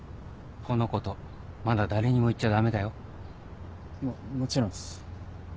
このことまだ誰にも言っちゃ駄目だよ。ももちろんっす。